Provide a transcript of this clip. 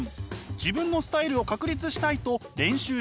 自分のスタイルを確立したい！と練習しています。